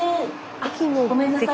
あごめんなさい。